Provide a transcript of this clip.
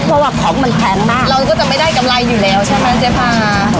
เพราะว่าของมันแพงมากเราก็จะไม่ได้กำไรอยู่แล้วใช่ไหมเจ๊พา